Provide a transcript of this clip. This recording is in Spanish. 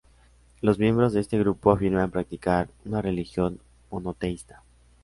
Los miembros de este grupo afirman practicar una religión monoteísta.